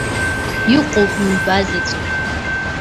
Иҟоуп ҩба заҵәык.